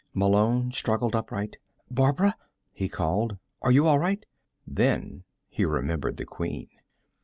Malone struggled upright. "Barbara?" he called. "Are you all right " Then he remembered the Queen.